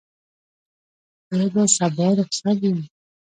زه به سبا رخصت یم.